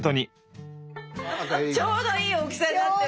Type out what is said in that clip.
ちょうどいい大きさになってる。